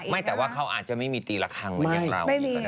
ไม่แต่ว่าเขาอาจจะไม่มีตีละครั้งเหมือนอย่างเรา